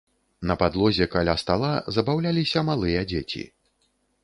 На падлозе каля стала забаўляліся малыя дзеці.